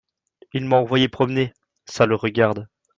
Il m’a envoyé promener… ça le regarde.